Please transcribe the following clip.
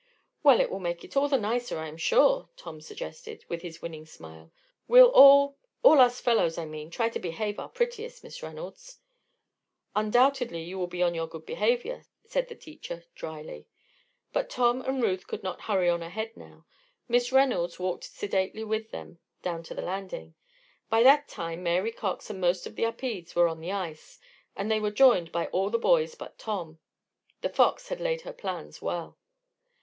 "Well, it will make it all the nicer, I am sure," Tom suggested, with his winning smile. "We'll all all us fellows, I mean try to behave our prettiest, Miss Reynolds." "Undoubtedly you will be on your good behavior," said the teacher, drily. But Tom and Ruth could not hurry on ahead now. Miss Reynolds walked sedately with them down to the landing. By that time Mary Cox and most of the Upedes were on the ice and they were joined by all the boys but Tom. The Fox had laid her plans well.